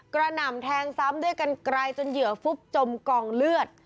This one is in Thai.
หน่ำแทงซ้ำด้วยกันไกลจนเหยื่อฟุบจมกองเลือด